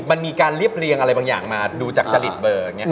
มันมีการเรียบเรียงอะไรบางอย่างมาดูจากจริตเบอร์